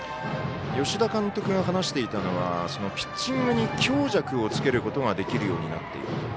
吉田監督が話していたのはピッチングに強弱をつけることができるようになっている。